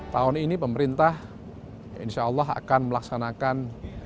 tahun ini pemerintah insya allah akan melaksanakan